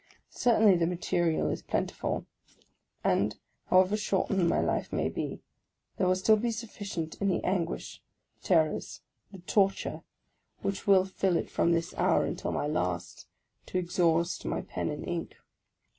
Certainly the material is plentiful ; and, how ever shortened my life may be, there will still be sufficient in the anguish, the terrors, the tortures, which will fill it from 48 THE LAST DAY this hour until my last, to exhaust my pen and ink